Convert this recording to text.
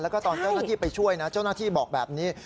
แล้วก็ตอนเจ้าหน้าที่ไปช่วยนะเจ้าหน้าที่บอกแบบนี้